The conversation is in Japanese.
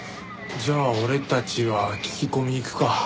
じゃあ俺たちは聞き込み行くか。